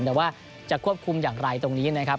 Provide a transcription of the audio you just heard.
แต่ว่าจะควบคุมอย่างไรตรงนี้นะครับ